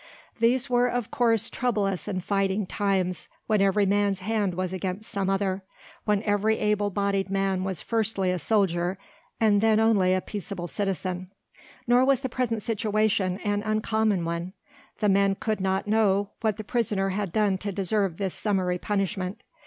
These were of course troublous and fighting times, when every man's hand was against some other, when every able bodied man was firstly a soldier and then only a peaceable citizen. Nor was the present situation an uncommon one: the men could not know what the prisoner had done to deserve this summary punishment.